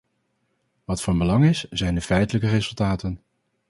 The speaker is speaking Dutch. Wat van belang is, zijn de feitelijke resultaten.